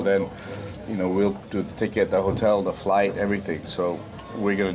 kita akan melakukan tiket hotel penerbangan dan segala galanya